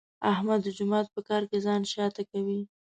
احمد د جومات په کار کې ځان شاته کوي.